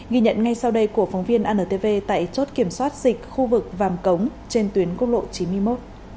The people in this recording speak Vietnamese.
ghi nhận ngay sau đây của phóng viên antv tại chốt kiểm soát dịch khu vực vàm cống trên tuyến quốc lộ chín mươi một